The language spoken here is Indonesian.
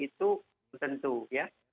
itu tentu ya